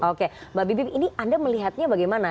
oke mbak bibip ini anda melihatnya bagaimana